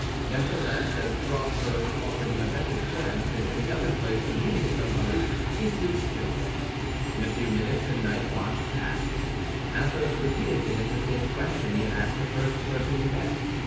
Nevertheless, as the crossroads offered him a better chance than any other place of meeting somebody, he stood still. In a few minutes a night watch passed. Athos repeated to him the same question he had asked the first person he met.